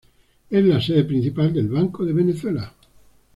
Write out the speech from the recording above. Es la sede principal del Banco de Venezuela.